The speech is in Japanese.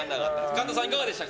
神田さん、いかがでした？